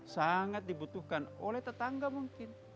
sangat dibutuhkan oleh tetangga mungkin